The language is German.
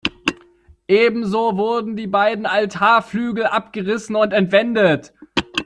Ebenso wurden die beiden Altarflügel abgerissen und entwendet.